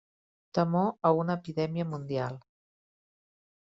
Temor a una epidèmia mundial.